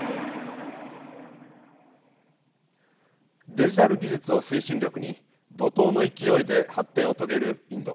デジタル技術を推進力に怒とうの勢いで発展を遂げるインド。